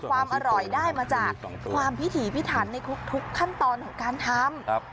ความอร่อยได้มาจากความพิถีพิถันในทุกขั้นตอนของการทำ